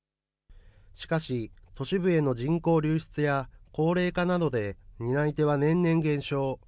しかし、都市部への人口流出や高齢化などで、担い手は年々減少。